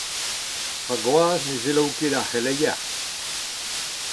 Ma gwaz ne selaou ket ar c’heleier.